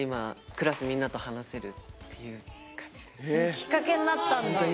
きっかけになったんだ。